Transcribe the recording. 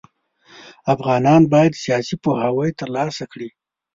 افغانان بايد سياسي پوهاوی ترلاسه کړي.